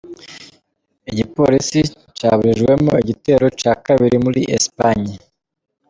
Igipolisi caburijemwo igitero ca kabiri muri Espagne.